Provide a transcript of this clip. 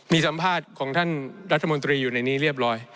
มีสัมภาษณ์ของท่านรัฐมนตรีอยู่ในนี้เรียบร้อย